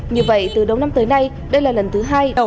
như vậy từ đầu năm tới nay đây là lần thứ hai